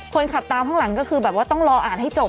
คนขับตามข้างหลังก็คือแบบว่าต้องรออ่านให้จบ